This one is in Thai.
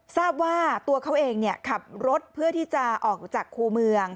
ทราบว่าตัวเขาเองขับรถเพื่อที่จะออกจากคู่เมือง